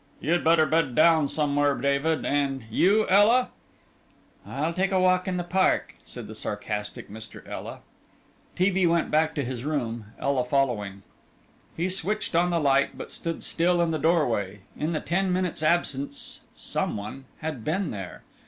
"You'd better bed down somewhere, David, and you, Ela?" "I'll take a little walk in the park," said the sarcastic Mr. Ela. T. B. went back to his room, Ela following. He switched on the light, but stood still in the doorway. In the ten minutes' absence some one had been there.